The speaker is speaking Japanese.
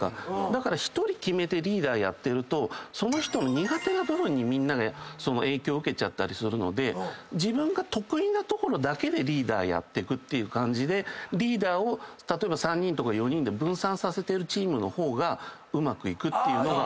だから１人決めてリーダーやってるとその人の苦手な部分にみんなが影響受けちゃったりするので自分が得意なところだけでリーダーやってくっていう感じでリーダーを例えば３人とか４人で分散させてるチームの方がうまくいくっていうのが。